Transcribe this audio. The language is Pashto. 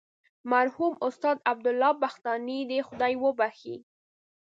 مرحوم استاد عبدالله بختانی دې خدای وبخښي.